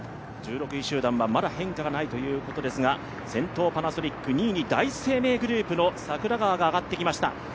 １６位集団はまだ変化がないということですが、先頭はパナソニック、２位に第一生命グループの櫻川が上がってきました。